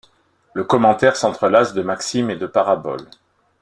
Le commentaire s'entrelace de maximes et de paraboles.